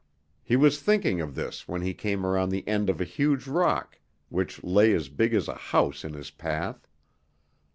He was thinking of this when he came around the end of a huge rock which lay as big as a house in his path.